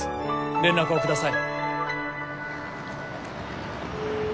連絡をください。